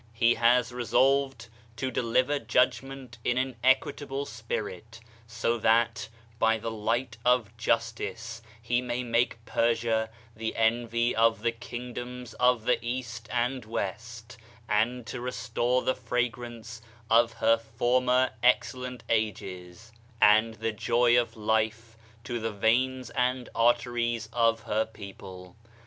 He has resolved to deliver jud^nent in an equitable spirit, so that by the light of justice he may make Persia the envy of the kingdoms of the East and West, and to restore the fragrance of her former excellent ages, and the joy of life to the veins and arteries of her people.